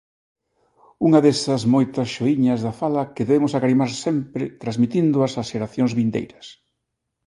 Unha desas moitas xoíñas da fala que debemos agarimar sempre transmitíndoas ás xeracións vindeiras.